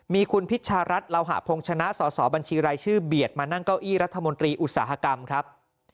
มีคุณพิชารัฐเหล่าหะพงษณะสอสอบัญชีรายชื่อเบียดมานั่งเก้าอี้รัฐมนตรีอุตสาหกรรมครับ